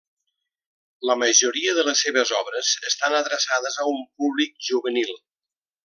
La majoria de les seves obres estan adreçades a un públic juvenil.